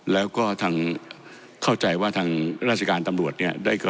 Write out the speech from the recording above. แล้วก็ทางเข้าใจว่าทางราชการตำรวจเนี่ย